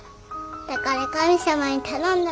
だから神様に頼んだの。